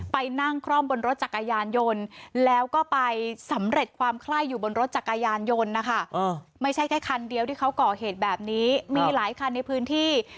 ไปนั่งคร่อมบนรถจักรยานยนต์